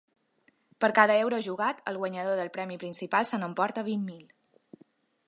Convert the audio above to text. Per cada euro jugat, el guanyador del premi principal se n’emporta vint mil.